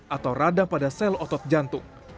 atau radang pada sel otot jantung